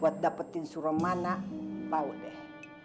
buat dapetin si rumana bau deh